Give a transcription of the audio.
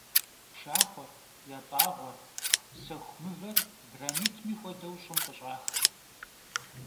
Pşşaxhuer, yat'ağuer, sexu mıver, granitmi xuedeu, ş'ım khış'ax.